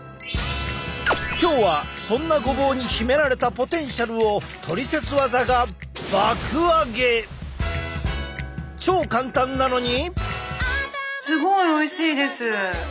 今日はそんなごぼうに秘められたポテンシャルをトリセツ技が超簡単なのに！